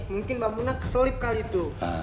mungkin mamunah keselip kali itu